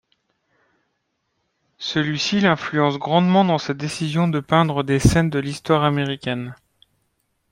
Celui-ci l'influence grandement dans sa décision de peindre des scènes de l'histoire américaine.